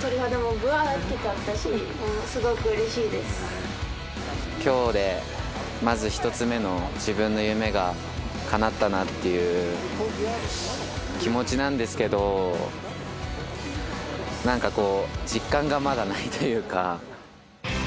鳥肌もぶわーって立ったし、きょうで、まず１つ目の自分の夢がかなったなっていう気持ちなんですけど、なんかこう、実感がまだないというか。